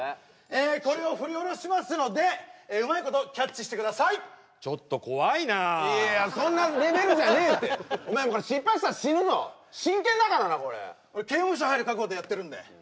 えこれを振り下ろしますのでうまいことキャッチしてくださいちょっと怖いないやそんなレベルじゃねえってお前失敗したら死ぬぞ真剣だからなこれ俺刑務所入る覚悟でやってるんでなっ？